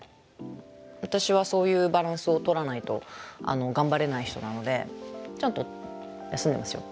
私はそういうバランスをとらないと頑張れない人なのでちゃんと休んでますよ。